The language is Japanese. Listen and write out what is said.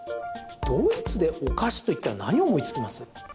ドイツでお菓子といったら何を思いつきます？